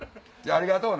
ありがとう！